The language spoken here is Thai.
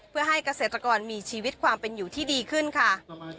เพื่อให้เกษตรกรมีชีวิตความเป็นอยู่ที่ดีขึ้นค่ะ